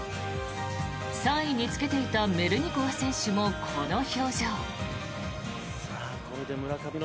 ３位につけていたメルニコワ選手もこの表情。